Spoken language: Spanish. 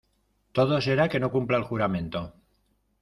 todo será que no cumpla el juramento.